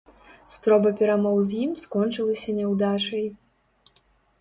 Спроба перамоў з ім скончылася няўдачай.